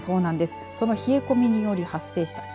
その冷え込みより発生した霧。